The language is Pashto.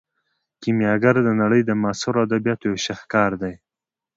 کیمیاګر د نړۍ د معاصرو ادبیاتو یو شاهکار دی.